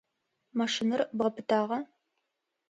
Машинэр бгъапытагъа?